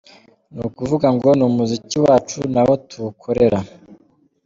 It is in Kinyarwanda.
Ni ukuvuga ngo ni umuziki wacu n’aho tuwukorera.